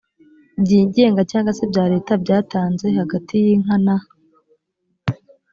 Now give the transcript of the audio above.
byigenga cyangwa se bya leta byatanze hagati y inka na